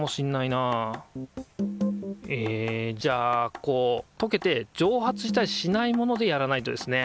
えじゃあこうとけて蒸発したりしないものでやらないとですね。